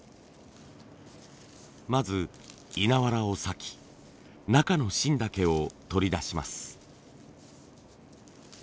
まず稲わらをさき中の芯だけを取り出します。